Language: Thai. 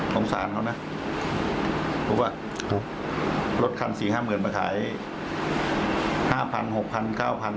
โทษสานเขานะถูกป่ะถูกรถคัน๔๕เหมือนมาขาย๕พัน๖พัน๙พัน